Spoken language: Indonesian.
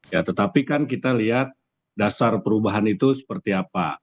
ya tetapi kan kita lihat dasar perubahan itu seperti apa